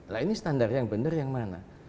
nah ini standar yang benar yang mana